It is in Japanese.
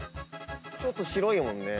ちょっと白いもんね。